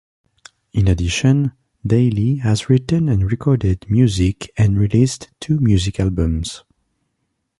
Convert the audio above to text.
In addition, Daly has written and recorded music and released two music albums.